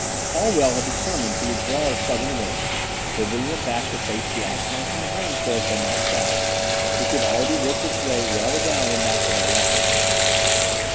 Hallwell had determined to withdraw our southern wing, pivoting it back to face the outflanking Han force on that side, which had already worked its way well down in back of our line.